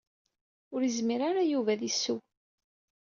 Ur izmir ara Yuba ad isseww.